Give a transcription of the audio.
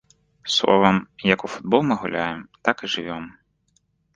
Словам, як у футбол мы гуляем, так і жывём.